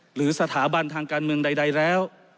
หรือสถาบันทางการเมืองใดแล้ว